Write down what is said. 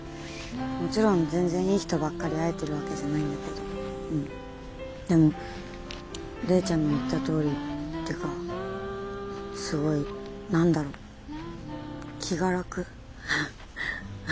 もちろん全然いい人ばっかり会えてるわけじゃないんだけどうんでも玲ちゃんの言ったとおりってかすごい何だろ気が楽。